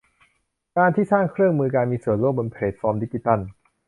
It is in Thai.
การที่สร้างเครื่องมือการมีส่วนร่วมบนแพลทฟอร์มดิจิทัล